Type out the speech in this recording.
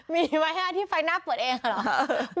มีไหมที่ไฟหน้าเปิดเองเหรอ